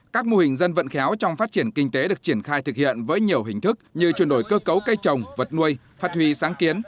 các mô hình dân vận khéo trong phát triển kinh tế được triển khai thực hiện với nhiều hình thức như chuyển đổi cơ cấu cây trồng vật nuôi phát huy sáng kiến